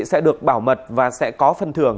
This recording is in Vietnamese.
sẽ được bảo mật và sẽ có phân thưởng